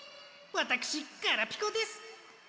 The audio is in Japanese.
わたくしガラピコです！